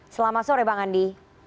selamat sore bang andi